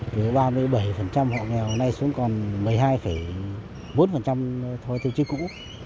thì ba mươi bảy họ nghèo này xuống còn một mươi hai bốn thôi từ trước cũ